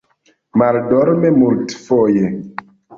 Maldorme, multfoje.